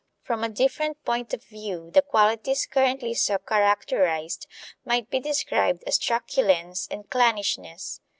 From a different point of view the qualities currently so characterized might be described as truculence and clannishness.